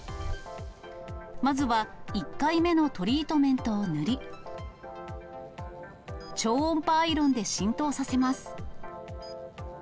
まずは１回目のトリートメントを塗り、超音波アイロンで浸透させます。